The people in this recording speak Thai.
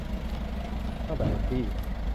ตั้งแต่วันที่